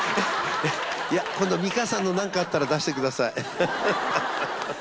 いや今度美川さんのなんかあったら出してください。